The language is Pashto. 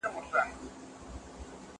کېدای سي کتابونه دروند وي؟